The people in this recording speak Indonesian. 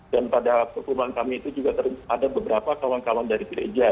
dan pada perkembangan kami itu juga ada beberapa kawan kawan dari gereja